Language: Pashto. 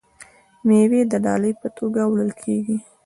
میوې د ډالۍ په توګه وړل کیږي.